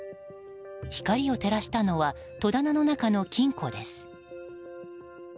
光を照らしたのは戸棚の中の金庫です。